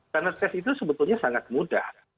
karena tes itu sebetulnya sangat mudah